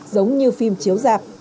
giống như phim chiếu dạp